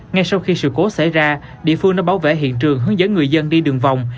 ngay sau khi sự cố xảy ra địa phương đã bảo vệ hiện trường hướng dẫn người dân đi đường vòng